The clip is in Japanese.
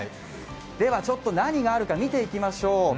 では、ちょっと何があるか見ていきましょう。